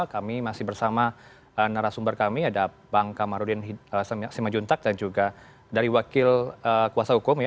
kami masih bersama narasumber kami ada bang kamarudin simajuntak dan juga dari wakil kuasa hukum ya